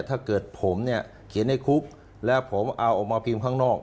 ถ้าเกิดผมเนี่ยเขียนในคุกแล้วผมเอาออกมาพิมพ์ข้างนอก